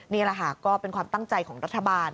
นี่แหละค่ะก็เป็นความตั้งใจของรัฐบาล